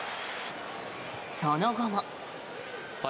その後も。